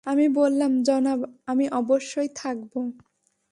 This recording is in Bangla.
আমি বললাম, জনাব, আমি অবশ্যই থাকব।